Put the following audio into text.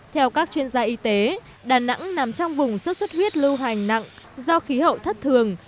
theo các chuyên gia y tế đà nẵng nằm trong vùng xuất xuất huyết lưu hành nặng do khí hậu thất thường